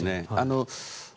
そうですね。